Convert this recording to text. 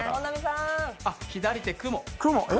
あっ、左手雲。